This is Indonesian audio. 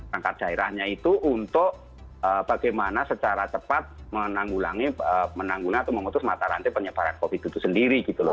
rangkat daerahnya itu untuk bagaimana secara cepat menanggulangan atau memutus mata rantai penyebaran covid itu sendiri gitu loh